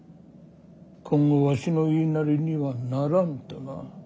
今後わしの言いなりにはならぬとな。